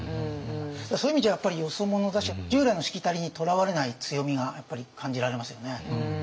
そういう意味じゃやっぱりよそ者だし従来のしきたりにとらわれない強みがやっぱり感じられますよね。